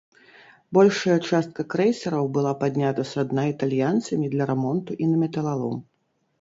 Большая частка крэйсераў была паднята са дна італьянцамі для рамонту і на металалом.